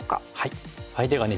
相手がね